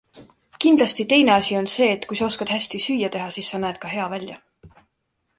Kindlasti teine asi on see, et kui sa oskad hästi süüa teha, siis sa näed ka hea välja.